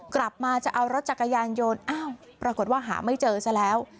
กลับมาจะเอารถจักรยานยนต์อ้าวปรากฏว่าหาไม่เจอซะแล้ว